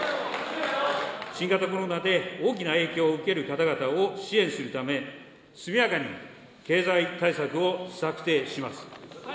新型コロナで大きな影響を受ける方々を支援するため、速やかに経済対策を策定します。